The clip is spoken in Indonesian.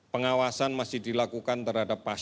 pengawasan masih dilakukan terhadap pasien